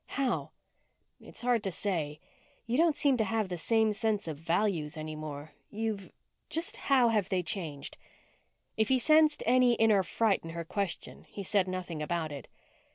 "How?" "It's hard to say. You don't seem to have the same sense of values any more. You've " "Just how have they changed?" If he sensed any inner fright in her question he said nothing about it.